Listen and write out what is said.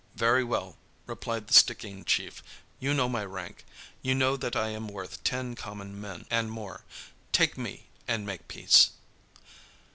"Very well," replied the Stickeen chief, "you know my rank. You know that I am worth ten common men and more. Take me and make peace."